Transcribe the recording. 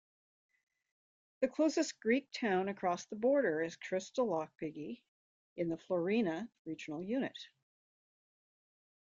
The closest Greek town across the border is Krystallopigi in the Florina regional unit.